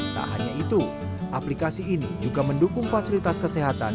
tak hanya itu aplikasi ini juga mendukung fasilitas kesehatan